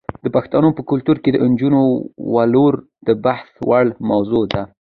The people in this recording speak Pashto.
د پښتنو په کلتور کې د نجونو ولور د بحث وړ موضوع ده.